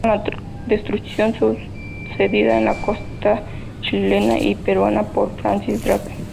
Con la destrucción sucedida en la costa chilena y peruana por Francis Drake.